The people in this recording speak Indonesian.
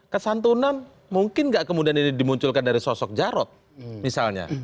kesantunan mungkin tidak kemudian dimunculkan dari sosok jarod misalnya